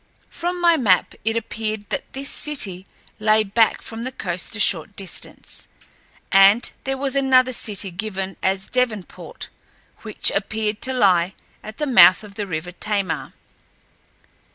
From my map it appeared that this city lay back from the coast a short distance, and there was another city given as Devonport, which appeared to lie at the mouth of the river Tamar.